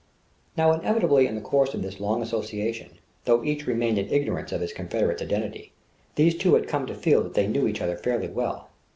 Now inevitably in the course of this long association, though each remained in ignorance of his confederate's identity, these two had come to feel that they knew each other fairly well.